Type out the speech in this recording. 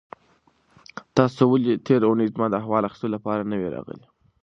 تاسو ولې تېره اونۍ زما د احوال اخیستلو لپاره نه وئ راغلي؟